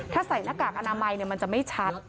ถ้าใส่หน้ากากอนามัยมันจะไม่ชัด